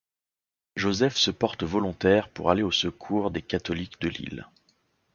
Joseph se porte volontaire pour aller au secours des catholiques de l’île.